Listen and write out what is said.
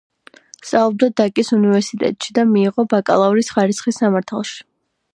სწავლობდა დაკის უნივერსიტეტში და მიიღო ბაკალავრის ხარისხი სამართალში.